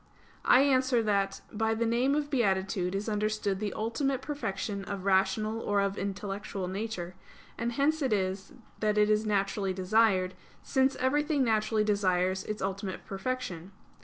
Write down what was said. I answer that, By the name of beatitude is understood the ultimate perfection of rational or of intellectual nature; and hence it is that it is naturally desired, since everything naturally desires its ultimate perfection.